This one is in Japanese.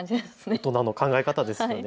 大人の考え方ですよね。